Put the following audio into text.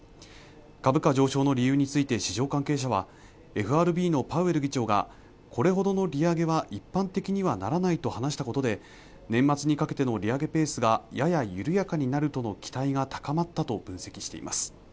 株価上昇の理由について市場関係者はＦＲＢのパウエル議長がこれほどの利上げは一般的にはならないと話したことで年末にかけての利上げペースがやや緩やかになるとの期待が高まったと分析しています